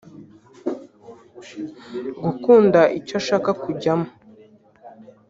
gukunda icyo ashaka kujyamo